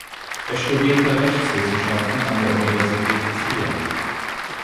Er studierte Rechtswissenschaften an der Universität Trier.